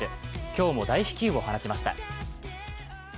今日も大飛球を放ちました。